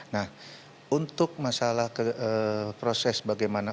nah untuk masalah proses bagaimana